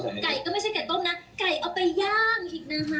ไก่ก็ไม่ใช่ไก่ต้มนะไก่เอาไปย่างอีกนะคะ